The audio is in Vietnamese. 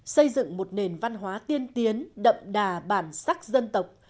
xây dựng một nền văn hóa tiên tiến đậm đà bản sắc dân tộc